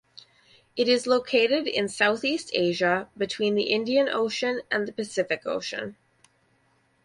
It is located in Southeast Asia between the Indian Ocean and the Pacific Ocean.